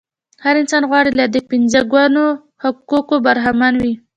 هر انسان غواړي له دې پنځه ګونو حقوقو برخمن وي.